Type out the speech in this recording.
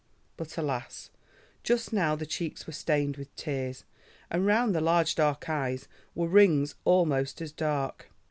But alas! just now the cheeks were stained with tears, and round the large dark eyes were rings almost as dark.